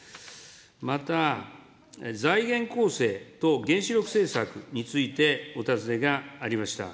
また、財源構成と原子力政策についてお尋ねがありました。